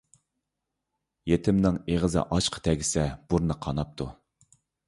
يېتىمنىڭ ئېغىزى ئاشقا تەگسە بۇرنى قاناپتۇ.